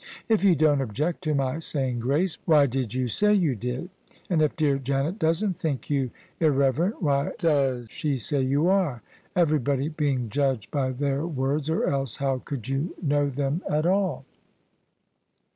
If you don't object to my saying grace, why did you say you did? And if dear Janet doesn't think you irrever ent, why does she say you are? — everybody being judged by their words, or else how could you know them at all?"